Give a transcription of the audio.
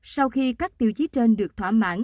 sau khi các tiêu chí trên được thỏa mãn